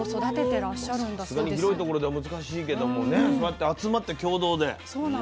さすがに広い所では難しいけどもねそうやって集まって共同で。